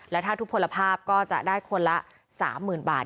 และถ้าทุกผลภาพก็จะได้คนละ๓๐๐๐บาท